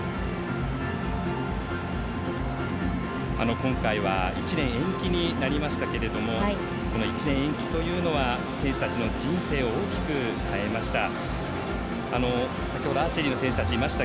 今回は、１年延期になりましたけれどもこの１年延期というのは選手たちの人生を大きく変えました。